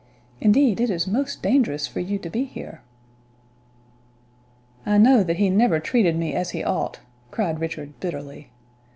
Indeed, it is most dangerous for you to be here." "I know that he never treated me as he ought," cried Richard, bitterly.